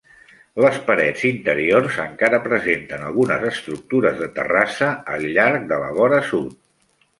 Les parets interiors encara presenten algunes estructures de terrassa al llarg de la vora sud.